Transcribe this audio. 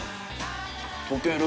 溶ける。